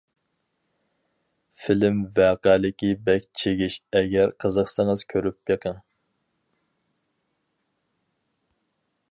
فىلىم ۋەقەلىكى بەك چىگىش ئەگەر قىزىقسىڭىز كۆرۈپ بېقىڭ.